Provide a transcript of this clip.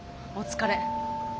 お疲れ。